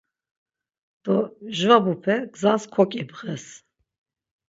Do, mjvabupe gzas koǩibğes.